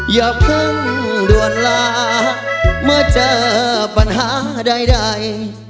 อย่าเพิ่งด่วนลาเมื่อเจอปัญหาใด